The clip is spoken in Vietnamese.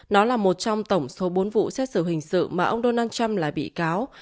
nó là một trong tổng số bốn vụ xét xử hình sự mà ông donald trump là bị cáo